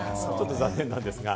残念なんですが。